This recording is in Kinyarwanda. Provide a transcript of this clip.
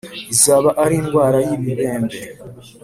Izaba ari indwara y ibibembe